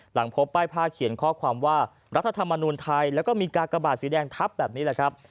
หลังพบป้ายผ้าเขียนข้อความว่ารัฐธรรมนูญไทยแล้วก็มีกากบาทสีแดงทับแบบนี้แหละครับ